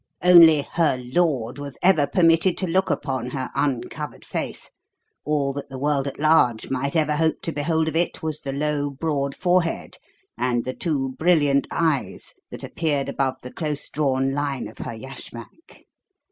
Only her 'lord' was ever permitted to look upon her uncovered face; all that the world at large might ever hope to behold of it was the low, broad forehead and the two brilliant eyes that appeared above the close drawn line of her yashmak.